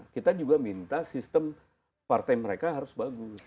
kita juga minta sistem partai mereka harus bagus